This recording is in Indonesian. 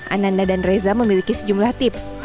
ananda dan reza memiliki sejumlah tips